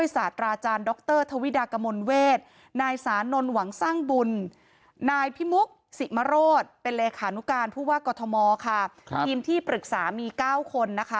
สถานการณ์ผู้ว่ากฏมค่ะทีมที่ปรึกษามี๙คนนะคะ